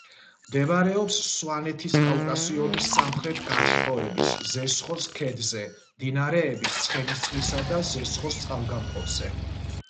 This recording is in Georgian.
მდებარეობს სვანეთის კავკასიონის სამხრეთ განშტოების ზესხოს ქედზე, მდინარეების ცხენისწყლისა და ზესხოს წყალგამყოფზე.